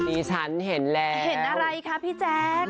ดิฉันเห็นแล้วเห็นอะไรคะพี่แจ๊ค